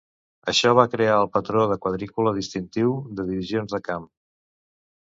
Això va crear el patró de quadrícula distintiu de divisions de camp.